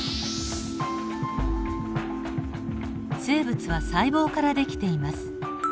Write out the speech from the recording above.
生物は細胞からできています。